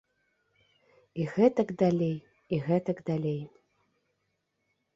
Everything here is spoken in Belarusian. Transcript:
І гэтак далей, і гэтак далей.